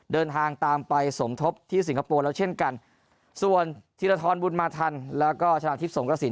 เดินทางตามไปสมทบที่สิงคโปร์แล้วเช่นกันส่วนธีรทรบุญมาทันแล้วก็ชนะทิพย์สงกระสิน